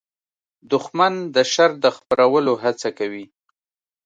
دښمن د شر د خپرولو هڅه کوي